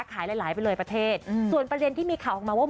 หลายหลายไปเลยประเทศส่วนประเด็นที่มีข่าวออกมาว่า